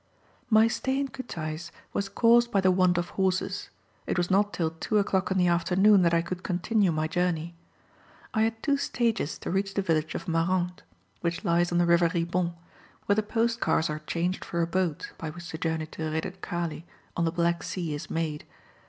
My stay in Kutais was caused by the want of horses; it was not till 2 o'clock in the afternoon that I could continue my journey. I had two stages to reach the village of Marand, which lies on the river Ribon, where the post cars are changed for a boat, by which the journey to Redutkale, on the Black Sea, is made.